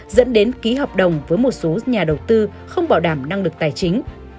dẫn đến ký hợp đồng với một số nhà đầu tư không bảo đảm năng lực tài chính